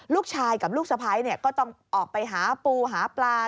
ลูกชายกับลูกสะพ้ายก็ต้องออกไปหาปูหาปลา